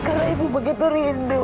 karena ibu begitu rindu